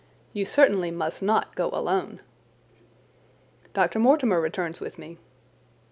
You certainly must not go alone." "Dr. Mortimer returns with me."